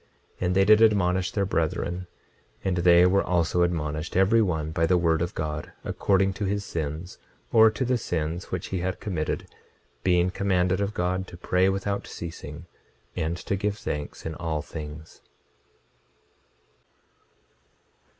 26:39 And they did admonish their brethren; and they were also admonished, every one by the word of God, according to his sins, or to the sins which he had committed, being commanded of God to pray without ceasing, and to give thanks in all things.